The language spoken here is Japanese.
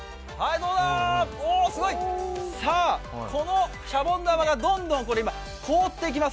おお、すごい、このシャボン玉がどんどん凍っていきます、